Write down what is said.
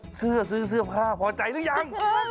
เอฟเซือท์ซื้อเสื้อผ้าพอใจรึยัง